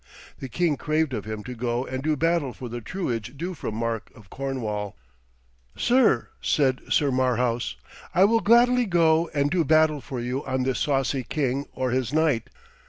The king craved of him to go and do battle for the truage due from Mark of Cornwall. 'Sir,' said Sir Marhaus, 'I will gladly go and do battle for you on this saucy king or his knight.